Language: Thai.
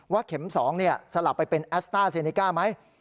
ว่าเข็มสองเนี่ยสลับไปเป็นแอสต้าเซนิกาไหม